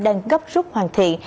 đang gấp rút hoàn thiện